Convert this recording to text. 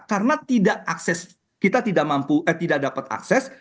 karena tidak akses kita tidak mampu eh tidak dapat akses